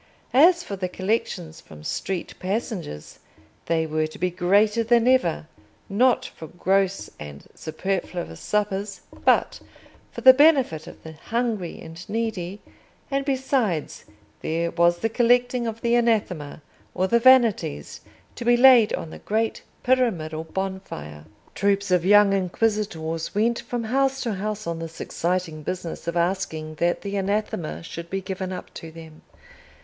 As for the collections from street passengers, they were to be greater than ever—not for gross and superfluous suppers, but for the benefit of the hungry and needy; and, besides, there was the collecting of the Anathema, or the Vanities to be laid on the great pyramidal bonfire. Troops of young inquisitors went from house to house on this exciting business of asking that the Anathema should be given up to them.